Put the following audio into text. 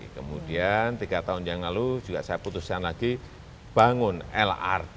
kemudian tiga tahun yang lalu juga saya putuskan lagi bangun lrt